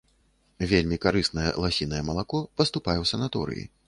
Вельмі карыснае ласінае малако паступае ў санаторыі.